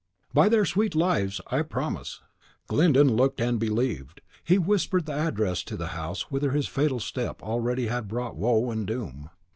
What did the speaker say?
"By their sweet lives, I promise!" Glyndon looked and believed. He whispered the address to the house whither his fatal step already had brought woe and doom.